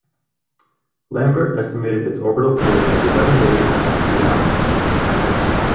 Lambert estimated its orbital period as eleven days and three hours.